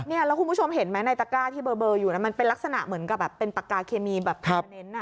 แล้วคุณผู้ชมเห็นไหมในตรกร้าที่เบลอมันเป็นลักษณะเหมือนกับแปลการเคมีแบบทีมาเน้นนะ